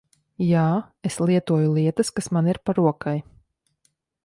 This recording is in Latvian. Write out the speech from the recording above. Jā, es lietoju lietas kas man ir pa rokai.